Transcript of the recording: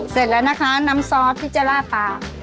เสร็จแล้วนะคะน้ำซอสที่จะล่าตา